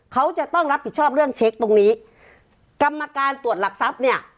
เขาจะต้องรับผิดชอบเรื่องเช็คตรงนี้กรรมการตรวจหลักทรัพย์เนี่ย